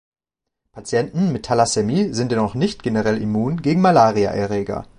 Patienten mit Thalassämie sind dennoch nicht generell immun gegen Malariaerreger.